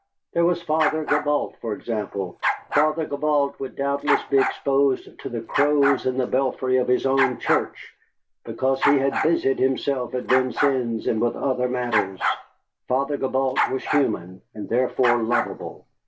There was Father Gibault, for example. Father Gibault would doubtless be exposed to the crows in the belfry of his own church because he had busied himself at Vincennes and with other matters. Father Gibault was human, and therefore lovable.